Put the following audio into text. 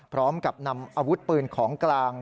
พร้อมกับนำอาวุธปืนของกลาง